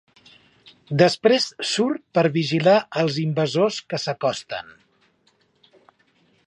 Després surt per vigilar els invasors que s'acosten.